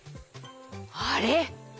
あれ？